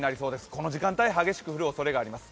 この時間帯、激しく降るおそれがあります。